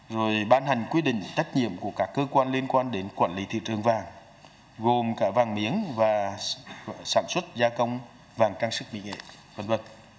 rồi ban hành quy định trách nhiệm của các cơ quan liên quan đến quản lý thị trường vàng gồm cả vàng miếng và sản xuất gia công vàng trang sức mỹ nghệ v v